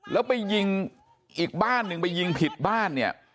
แล้วไปยิงอีกบ้านหนึ่งไปยิงผิดบ้านเนี่ย